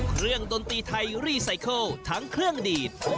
ดนตรีไทยรีไซเคิลทั้งเครื่องดีด